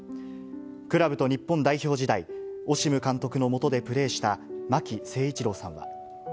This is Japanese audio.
クラブと日本代表時代、オシム監督の下でプレーした巻誠一郎さんは。